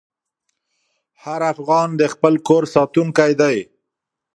هر افغان د خپل کور ساتونکی دی.